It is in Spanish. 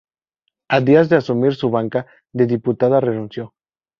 A días de asumir su banca de diputada renunció.